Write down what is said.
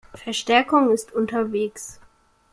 Verstärkung ist unterwegs.